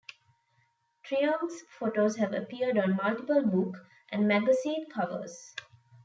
Truong's photos have appeared on multiple book and magazine covers.